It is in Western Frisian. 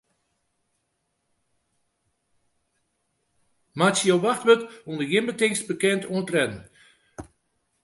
Meitsje jo wachtwurd ûnder gjin betingst bekend oan tredden.